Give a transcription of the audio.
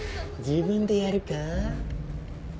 自分でやるか？